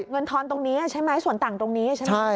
ทอนตรงนี้ใช่ไหมส่วนต่างตรงนี้ใช่ไหม